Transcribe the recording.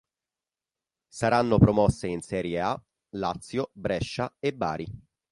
Saranno promosse in Serie A Lazio, Brescia e Bari.